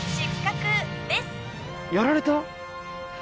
やられた？